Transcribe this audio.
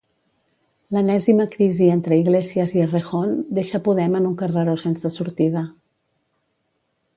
L'enèsima crisi entre Iglesias i Errejón deixa Podem en un carreró sense sortida.